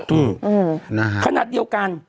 ถูกขนาดเดียวกัน